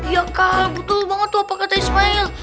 iya kal betul banget apa kata ismail